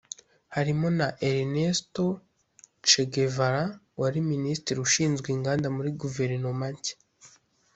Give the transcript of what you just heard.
harimo na Ernesto Che Guevara wari minisitiri ushinzwe inganda muri guverinoma nshya